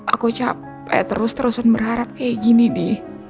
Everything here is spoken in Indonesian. aku capek terus terusan berharap kayak gini deh